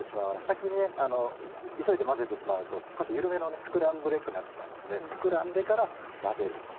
先に急いで混ぜてしまうと少し緩めのスクランブルエッグになってしまいますので膨らんでから混ぜる。